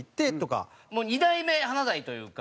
もう２代目華大というか。